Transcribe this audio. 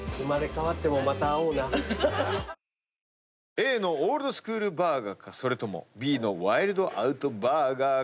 ＡのオールドスクールバーガーかそれともＢのワイルドアウトバーガーか。